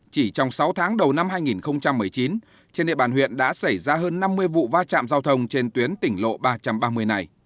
chỉ trong sáu tháng đầu năm hai nghìn một mươi chín trên địa bàn huyện đã xảy ra hơn năm mươi vụ va chạm giao thông trên tuyến tỉnh lộ ba trăm ba mươi này